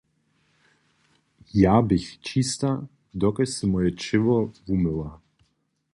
Ja běch čista, dokelž sym moje ćěło wumyła.